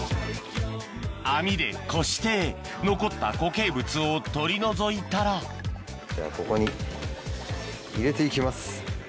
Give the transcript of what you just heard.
網でこして残った固形物を取り除いたらここに入れて行きます。